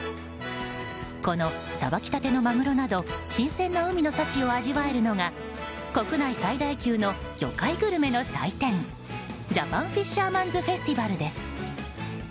このさばきたてのマグロなど新鮮な海の幸を味わえるのが国内最大級の魚介グルメの祭典ジャパンフィッシャーマンズフェスティバルです。